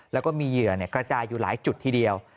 แล้วก็มีเหยื่อกระจายอยู่หลายจุดทีเดียว